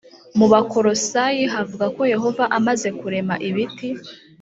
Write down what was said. mu bakolosayi havuga ko yehova amaze kurema ibiti